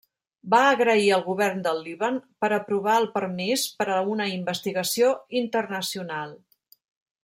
Va agrair al Govern del Líban per aprovar el permís per a una investigació internacional.